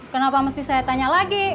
kenapa mesti saya tanya lagi